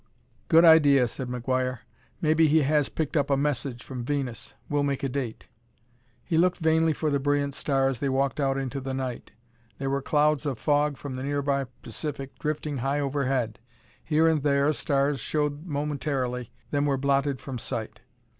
"Good idea," said McGuire; "maybe he has picked up a message from Venus; we'll make a date." He looked vainly for the brilliant star as they walked out into the night. There were clouds of fog from the nearby Pacific drifting high overhead. Here and there stars showed momentarily, then were blotted from sight.